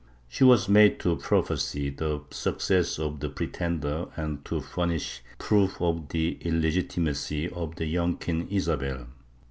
She was made to prophesy the success of the Pretender and to furnish proof of the illegitimacy of the young Queen Isabel.